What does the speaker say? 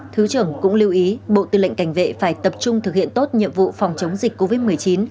thứ trưởng cũng lưu ý bộ tư lệnh cảnh vệ phải tập trung thực hiện tốt nhiệm vụ phòng chống dịch covid một mươi chín